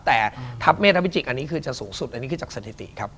แต่ทัพเมธวิจิกอันนี้คือจะสูงสุดอันนี้คือจากสถิติครับ